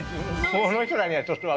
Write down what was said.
この人らには、ちょっと。